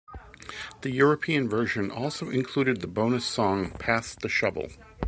The European version also included the bonus song "Pass the Shovel".